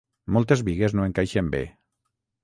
Moltes bigues no encaixen bé.